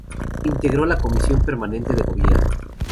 Integró la Comisión permanente de Gobierno.